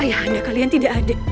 ayahanda kalian tidak ada